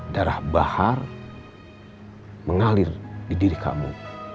darah bahar mengalir di diri kamu